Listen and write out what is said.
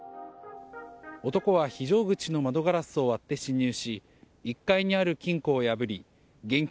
男は非常口の窓ガラスを割って侵入し１階にある金庫を破り現金